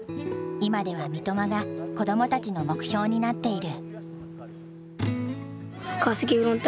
今では三笘が子どもたちの目標になっている。